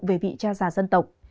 về vị cha già dân tộc